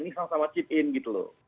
ini sama sama chip in gitu loh